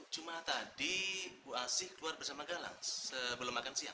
cuma tadi bu asih keluar bersama galak sebelum makan siang